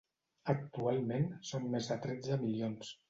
Actualment són més de tretze milions.